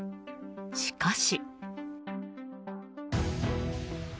しかし。